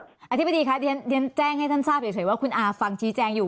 อย่าแต่งให้ท่านทราบเฉยว่าคุณอาฟฟังชี้แจงอยู่